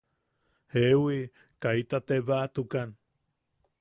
–Jeewi, kaita tebaatukan.